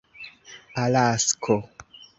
alasko